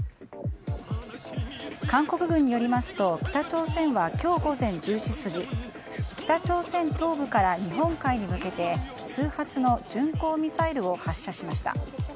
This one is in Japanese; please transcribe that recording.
韓国軍によりますと北朝鮮は今日午前１０時過ぎ北朝鮮東部から日本海に向けて数発の巡航ミサイルを発射しました。